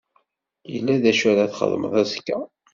Yella d acu ara xedmeɣ azekka.